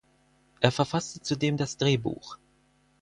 Er verfasste zudem das Drehbuch.